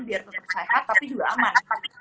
biar tetap sehat tapi juga aman